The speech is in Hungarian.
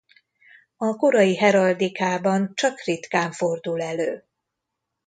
A korai heraldikában csak ritkán fordul elő.